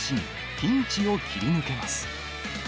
ピンチを切り抜けます。